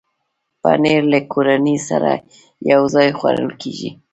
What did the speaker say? پنېر له کورنۍ سره یو ځای خوړل کېږي.